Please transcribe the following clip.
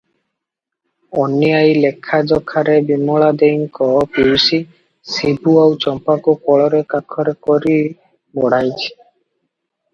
ଅନୀ ଆଈ ଲେଖାଯୋଖାରେ ବିମଳା ଦେଈଙ୍କ ପିଉସୀ, ଶିବୁ ଆଉ ଚମ୍ପାକୁ କୋଳରେ କାଖରେ କରି ବଢ଼ାଇଛି ।